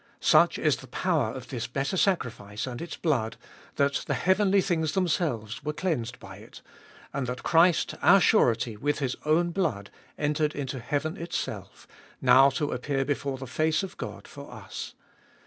Such is the power of this better sacrifice and its blood, that the heavenly things themselves were cleansed by it, and that Christ our surety with His own blood, entered into heaven itself, now to appear before the face of God for us.